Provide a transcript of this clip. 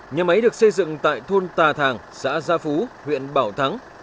nhà máy được xây dựng tại thôn tà thàng xã gia phú huyện bảo thắng